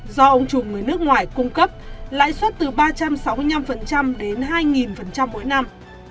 do ông chùm người nước ngoài cung cấp lãi suất từ ba trăm sáu mươi năm đến hai mỗi năm